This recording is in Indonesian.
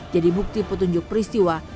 jadi bukti petunjuk peristiwa